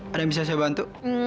ada yang bisa saya bantu